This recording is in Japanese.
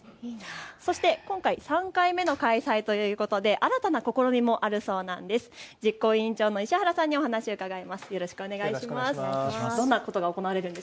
そして今回、３回目の開催ということで新たな試みもあるということです。